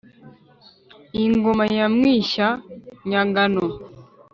iyi ngoma ya mwishya-nyagano